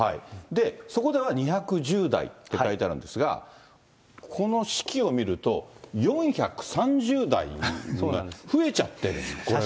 で、そこでは２１０代って書いてあるんですが、この手記を見ると、４３０代に増えちゃってるんです、これが。